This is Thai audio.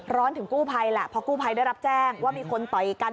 ถึงกู้ภัยแหละพอกู้ภัยได้รับแจ้งว่ามีคนต่อยกัน